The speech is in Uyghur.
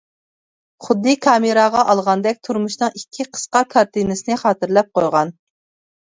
خۇددى كامېراغا ئالغاندەك تۇرمۇشنىڭ ئىككى قىسقا كارتىنىسىنى خاتىرىلەپ قويغان.